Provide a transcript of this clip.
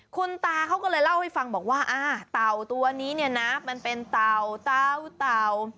คุณตาเขาก็เลยเล่าให้ฟังบอกว่าอ่าเต่าตัวนี้เนี่ยนะมันเป็นเต่าเตาเต่า